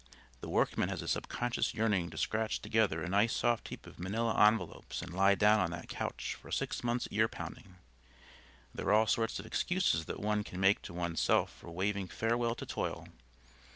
The workman has a subconscious yearning to scratch together a nice soft heap of manila envelopes and lie down on that couch for a six months' ear pounding. There are all sorts of excuses that one can make to one's self for waving farewell to toil.